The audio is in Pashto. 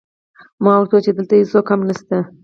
ما ورته وویل چې دلته هېڅوک هم نشته